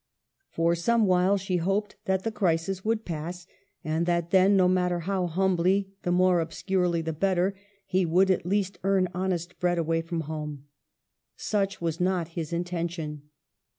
x For some while she hoped that the crisis would pass, and that then — no matter how humbly, the more obscurely the better — he would at least earn honest bread away from home. Such was not his intention.